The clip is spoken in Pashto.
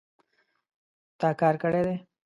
تا کار کړی دی